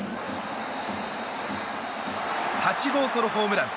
８号ソロホームラン。